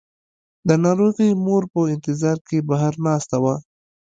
د ناروغې مور په انتظار کې بهر ناسته وه.